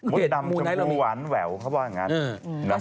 มุดดำจำพูหวานแหววเขาบอกอย่างงั้น